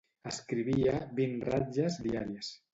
Escrivia vint ratlles diàries.